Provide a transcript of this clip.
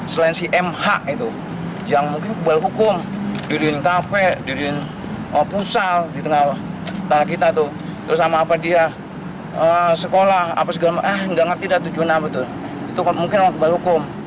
sehingga sisa tanah milik orang tuanya bisa kembali